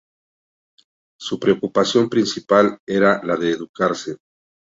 Su preocupación principal era la de educarse.